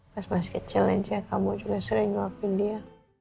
pas masih kecil aja kamu juga sering ngelakuin dia